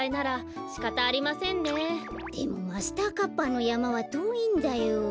でもマスターカッパーのやまはとおいんだよ。